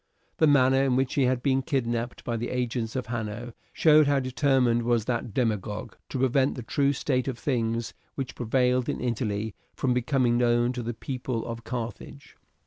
The manner in which he had been kidnapped by the agents of Hanno, showed how determined was that demagogue to prevent the true state of things which prevailed in Italy from becoming known to the people of Carthage.